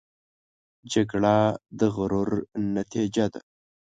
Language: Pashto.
جګړه د غرور نتیجه ده